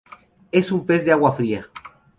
Es un pez de agua fría.